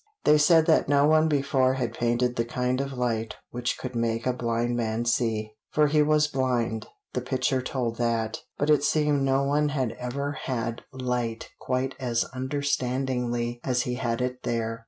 They said that no one before had painted the kind of light which could make a blind man see. For he was blind the picture told that, but it seemed no one had ever had light quite as understandingly as he had it there.